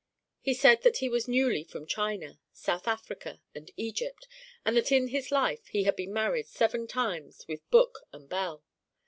He said that he was newly from China, South Africa and Egypt and that in his life he had been married seven times with book and bell.